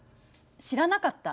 知らなかった？